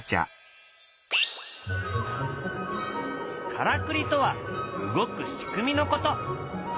からくりとは動く仕組みのこと。